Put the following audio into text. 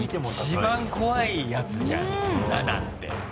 一番怖いやつじゃん７って。